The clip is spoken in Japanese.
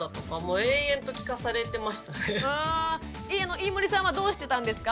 飯森さんはどうしてたんですか？